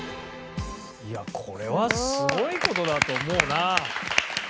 いやこれはすごい事だと思うな。